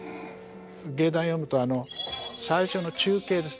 芸談読むと最初の中啓ですね